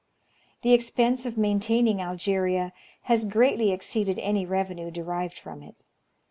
The ex pense of maintaining Algeria has greatly exceeded any revenue derived from it.